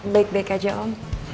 baik baik aja om